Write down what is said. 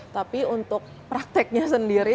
tapi untuk prakteknya sendiri